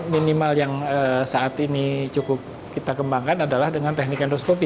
minimal yang saat ini cukup kita kembangkan adalah dengan teknik endoskopi